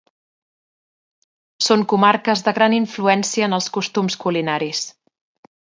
Són comarques de gran influència en els costums culinaris